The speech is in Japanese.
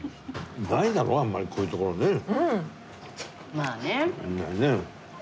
まあね。